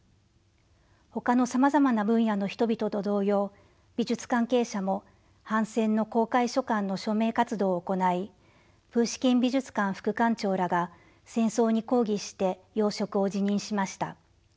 ほかのさまざまな分野の人々と同様美術関係者も反戦の公開書簡の署名活動を行いプーシキン美術館副館長らが戦争に抗議して要職を辞任しました。